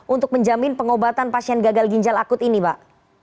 untuk menjamin pengobatan pasien gagal ginjal akut ini pak